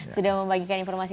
sudah membagikan informasi